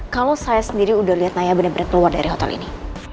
kalau saya sendiri udah lihat naya benar benar keluar dari hotel ini